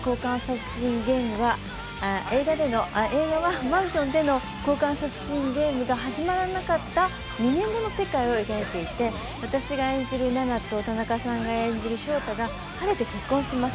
映画はマンションでの交換殺人ゲームが始まらなかった２年後の世界を描いていて、私が演じる菜奈と田中さんが演じる翔太が晴れて結婚します。